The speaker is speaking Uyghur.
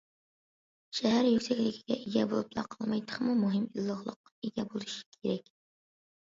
شەھەر يۈكسەكلىككە ئىگە بولۇپلا قالماي، تېخىمۇ مۇھىمى ئىللىقلىققا ئىگە بولۇشى كېرەك.